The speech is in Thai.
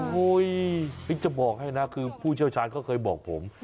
จะบอกให้นะคือผู้เชี่ยวชาญเขาเคยบอกผม